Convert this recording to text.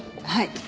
はい。